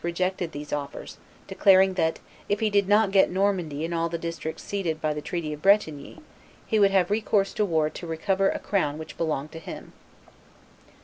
rejected these offers, declaring that, if he did not get Normandy and all the districts ceded by the treaty of Bretigny, he would have recourse to war to recover a crown which belonged to him.